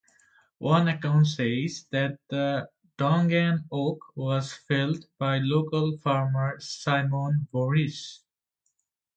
One account says that the Dongan Oak was felled by local farmer Simon Voorhis.